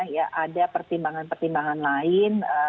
ya ada pertimbangan pertimbangan lain